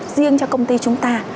riêng cho công ty chúng ta